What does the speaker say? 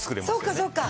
そっかそっか。